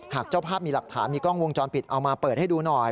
เจ้าภาพมีหลักฐานมีกล้องวงจรปิดเอามาเปิดให้ดูหน่อย